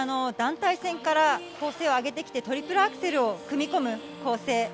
団体戦から構成を上げてきてトリプルアクセルを組み込む構成。